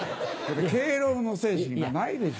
敬老の精神がないでしょ。